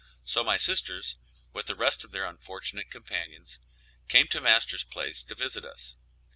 So my sisters, with the rest of their unfortunate companions, came to master's place to visit us.